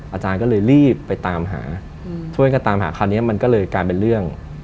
อาจารย์ก็เลยรีบไปตามหาช่วยกันตามหาคราวนี้มันก็เลยกลายเป็นเรื่อง